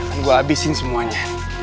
kan gue abisin semuanya